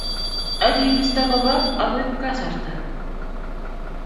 Ak kibisto kobak ak koib kasarta.